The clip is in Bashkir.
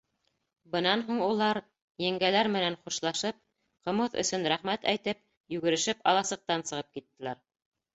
Бынан һуң улар, еңгәләр менән хушлашып, ҡымыҙ өсөн рәхмәт әйтеп, йүгерешеп аласыҡтан сығып киттеләр.